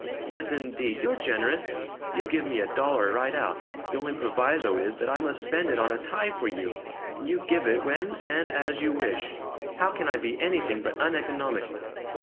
Yes indeed! You're generous! You give me a dollar, right out the only proviso is that I must spend it on a tie for you! And you give it when and as you wish. How can I be anything but uneconomical?"